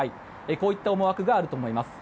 こういった思惑があると思います。